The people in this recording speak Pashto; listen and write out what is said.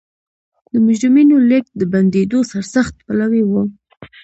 د مجرمینو لېږد د بندېدو سرسخت پلوی و.